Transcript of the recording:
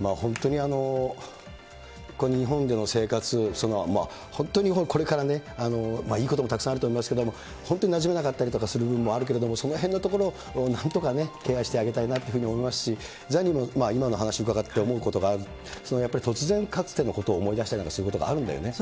本当に日本での生活、本当にこれからね、いいこともたくさんあると思いますけれども、本当になじめなかったりとかする部分もあるけれども、そのへんのところをなんとかケアしてあげたいなというふうに思いますし、ザニーも今の話伺って思うことがある、やっぱり突然、かつてのことを思い出したりなんかすることがあるんだよね。